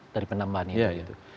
dari penambahan itu